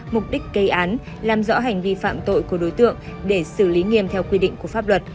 mục đích gây án làm rõ hành vi phạm tội của đối tượng để xử lý nghiêm theo quy định của pháp luật